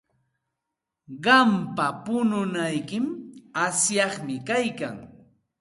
Qampa pununayki asyaqmi kaykan.